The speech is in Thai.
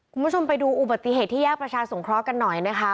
คุณผู้ชมไปดูอุบัติเหตุที่แยกประชาสงเคราะห์กันหน่อยนะคะ